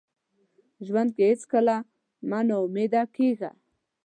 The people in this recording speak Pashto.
ژوند کې هیڅکله مه ناامیده کیږه.